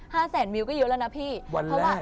ห้าแสนมิวก็เยอะแล้วนะพี่วันแรก